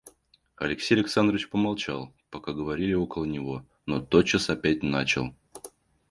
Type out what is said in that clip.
Алексей Александрович помолчал, пока говорили около него, но тотчас опять начал.